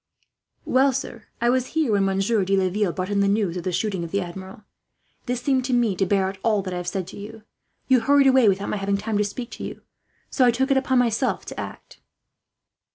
"Well, sir, I was here when Monsieur de Laville brought in the news of the shooting of the Admiral. This seemed, to me, to bear out all that I have said to you. You hurried away without my having time to speak to you, so I took it upon myself to act."